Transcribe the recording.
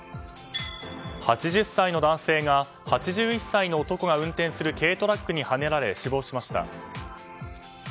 ８０歳の男性が８１歳の男が運転する軽トラックにはねられ死亡しました。